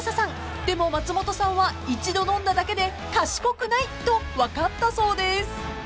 ［でも松本さんは一度飲んだだけで賢くないと分かったそうです］